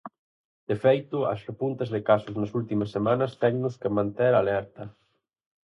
De feito, as repuntas de casos nas últimas semanas tennos que manter alerta.